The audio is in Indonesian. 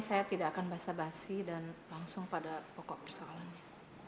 saya tidak akan basah basi dan langsung pada pokok persoalannya